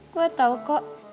gue tau kok